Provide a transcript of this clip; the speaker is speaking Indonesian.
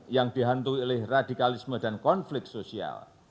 yang dihantui oleh radikalisme dan konflik sosial